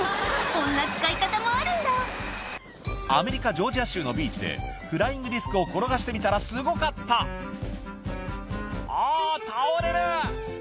こんな使い方もあるんだのビーチでフライングディスクを転がしてみたらすごかったあぁ倒れる！